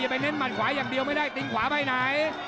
ไปเน้นหัดขวาอย่างเดียวไม่ได้ตินขวาไปไหน